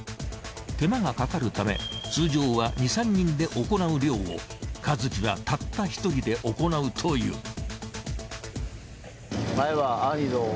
手間がかかるため通常は２３人で行う漁を和喜がたった１人で行うという。